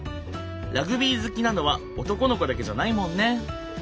ラグビー好きなのは男の子だけじゃないもんね。